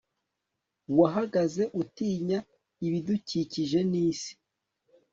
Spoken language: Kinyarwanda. wahagaze utinya ibidukikije n'isi